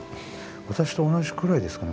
私と同じくらいですかね？